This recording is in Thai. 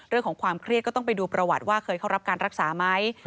เรื่องของความเครียดก็ต้องไปดูประวัติว่าเคยเข้ารับการรักษาไหม